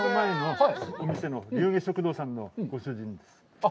あっ！